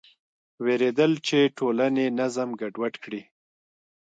وېرېدل چې ټولنې نظم ګډوډ کړي.